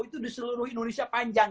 itu di seluruh indonesia panjang